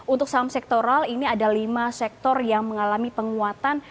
untuk saham sektoral ini ada lima sektor yang mengalami penguatan